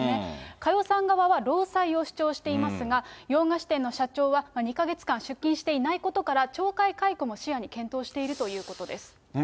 佳代さん側は労災を主張していますが、洋菓子店の社長は、２か月間、出勤していないことから、懲戒解雇も視野に、検討しているということです。